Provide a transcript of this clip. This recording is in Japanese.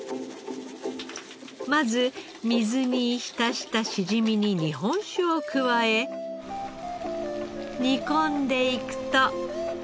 まず水に浸したしじみに日本酒を加え煮込んでいくと。